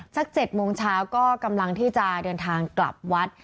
สัก๗โมงเช้าก็กำลังที่จะเดินทางกลับวัด